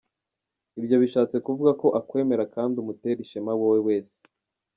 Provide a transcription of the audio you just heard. Ibyo bishatse kuvuga ko akwemera kandi umutera ishema wowe wese.